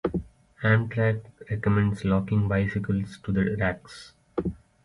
Amtrak recommends locking bicycles to the racks.